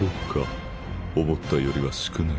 思ったよりは少ないな。